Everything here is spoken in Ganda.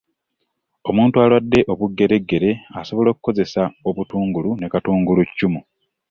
Omuntu alwadde obuggereggere asobola okukozesa obutungulu ne katungulu ccumu.